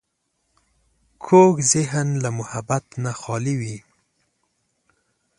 کوږ ذهن له محبت نه خالي وي